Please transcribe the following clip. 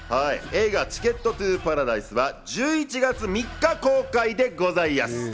映画『チケット・トゥ・パラダイス』は１１月３日公開でございやす。